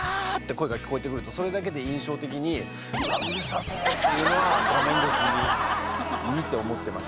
声が聞こえてくるとそれだけで印象的に「うわうるさそう」っていうのは画面越しに見て思ってましたね。